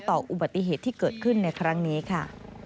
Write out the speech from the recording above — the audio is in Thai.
อุบัติเหตุที่เกิดขึ้นในครั้งนี้ค่ะ